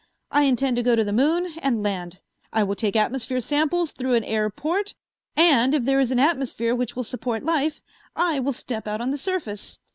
I intend to go to the moon and land. I will take atmosphere samples through an air port and, if there is an atmosphere which will support life, I will step out on the surface.